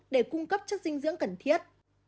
để cung cấp chất dinh dưỡng cần thiết